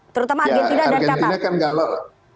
terutama argentina dan qatar